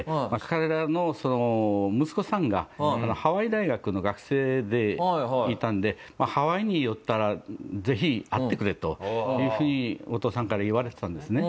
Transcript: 彼らの息子さんがハワイ大学の学生でいたんでハワイに寄ったらぜひ会ってくれというふうにお父さんから言われてたんですね。